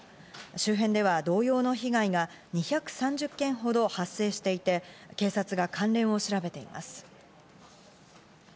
周辺では同様の被害が２３０件ほど発生していて、警察が関連を調べています。